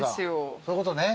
そういうことね。